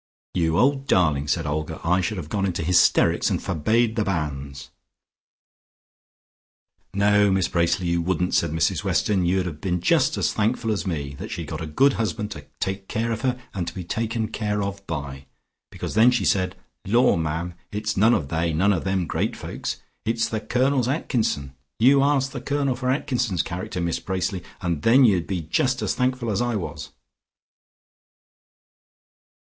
'" "You old darling," said Olga. "I should have gone into hysterics, and forbade the banns." "No, Miss Bracely, you wouldn't," said Mrs Weston, "you'd have been just as thankful as me, that she'd got a good husband to take care of and to be taken care of by, because then she said, 'Lor ma'am, it's none of they not them great folks. It's the Colonel's Atkinson.' You ask the Colonel for Atkinson's character, Miss Bracely, and then you'd be just as thankful as I was."